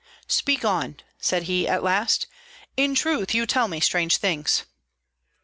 "Speak on," said he, at last; "in truth you tell me strange things."